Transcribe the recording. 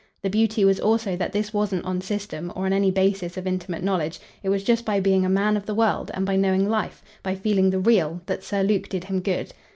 The beauty was also that this wasn't on system or on any basis of intimate knowledge; it was just by being a man of the world and by knowing life, by feeling the real, that Sir Luke did him good.